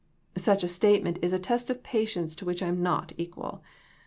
Such a statement is a test of patience to which I am not equal.